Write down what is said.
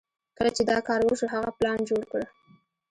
کله چې دا کار وشو هغه پلان جوړ کړ.